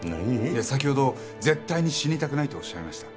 いや先ほど絶対に死にたくないとおっしゃいました。